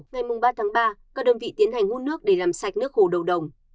ngày ba tháng ba các đơn vị tiến hành hút nước để làm sạch nước hồ đầu đồng